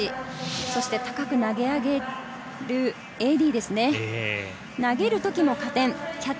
そして高く投げ上げるＡＤですね。